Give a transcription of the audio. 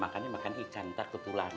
makannya makannya icang ntar ketular